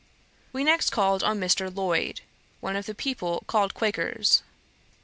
We next called on Mr. Lloyd, one of the people called Quakers.